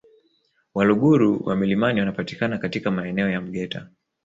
Waluguru wa milimani wanapatikana katika maeneo ya Mgeta